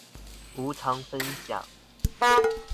無償分享